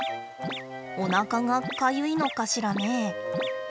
おなかがかゆいのかしらね。